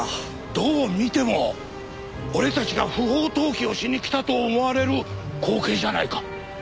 どう見ても俺たちが不法投棄をしに来たと思われる光景じゃないか。